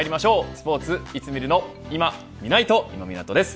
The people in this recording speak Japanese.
スポーツいつ見るのいまみないと、今湊です。